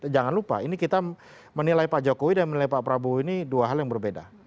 jangan lupa ini kita menilai pak jokowi dan menilai pak prabowo ini dua hal yang berbeda